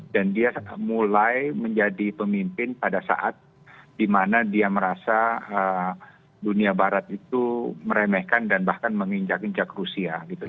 dan dia mulai menjadi pemimpin pada saat di mana dia merasa dunia barat itu meremehkan dan bahkan menginjak injak rusia gitu